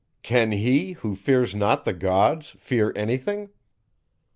"Can he, who fears not the gods, fear any thing?"